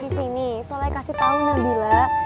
di sini soleh kasih tau nabilah